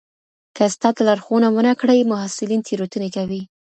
که استاد لارښوونه ونه کړي محصلین تېروتنې کوي.